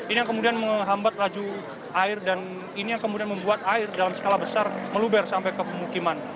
ini yang kemudian menghambat laju air dan ini yang kemudian membuat air dalam skala besar meluber sampai ke pemukiman